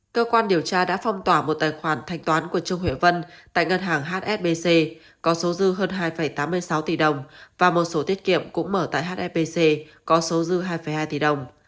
cơ quan điều tra đã phong tỏa một tài khoản thanh toán của trung huệ vân tại ngân hàng hsbc có số dư hơn hai tám mươi sáu tỷ đồng và một số tiết kiệm cũng mở tại hepc có số dư hai hai tỷ đồng